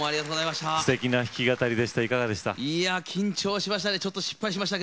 すてきな弾き語りでした。